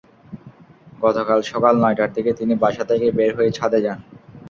গতকাল সকাল নয়টার দিকে তিনি বাসা থেকে বের হয়ে ছাদে যান।